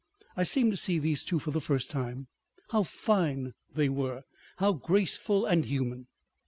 I seemed to see these two for the first time; how fine they were, how graceful and human.